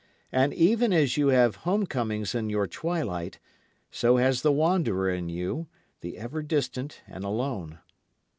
For even as you have home comings in your twilight, so has the wanderer in you, the ever distant and alone.